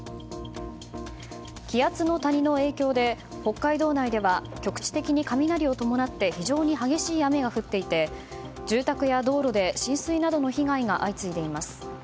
気圧の谷の影響で北海道内では局地的に雷を伴って非常に激しい雨が降っていて住宅や道路で浸水などの被害が相次いでいます。